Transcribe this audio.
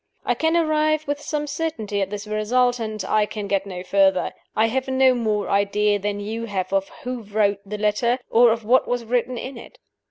I can arrive with some certainty at this result, and I can get no further. I have no more idea than you have of who wrote the letter, or of what was written in it.